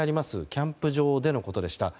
キャンプ場でのことでした。